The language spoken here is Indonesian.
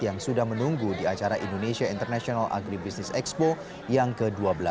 yang sudah menunggu di acara indonesia international agribisnis expo yang ke dua belas